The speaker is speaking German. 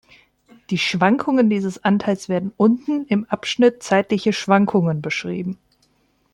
Die Schwankungen dieses Anteils werden unten im Abschnitt "Zeitliche Schwankungen" beschrieben.